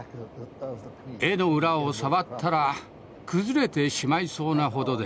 絵の裏を触ったら崩れてしまいそうなほどでした。